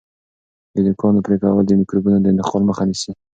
د نوکانو پرې کول د میکروبونو د انتقال مخه نیسي.